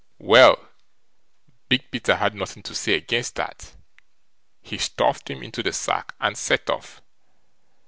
Well! Big Peter had nothing to say against that, he stuffed him into the sack and set off.